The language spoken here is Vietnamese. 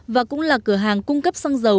và cũng là cửa hàng cung cấp xăng dầu